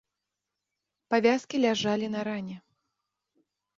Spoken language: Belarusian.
Павязкі ляжалі на ране.